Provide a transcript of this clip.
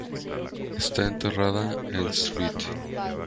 Está enterrada en St.